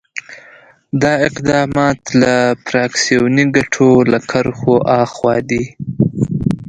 دا اقدامات له فراکسیوني ګټو له کرښو آخوا دي.